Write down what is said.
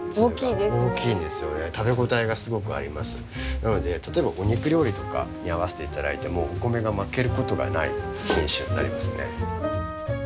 なので例えばお肉料理とかに合わせて頂いてもお米が負けることがない品種になりますね。